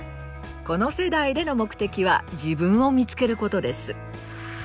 この世代での目的は“自分を見つける”ことです。